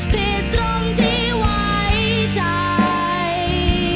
ผิดตรงที่ไว้ใจ